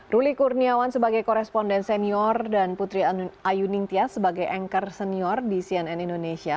ruli kurniawan sebagai koresponden senior dan putri ayu ningtya sebagai anchor senior di cnn indonesia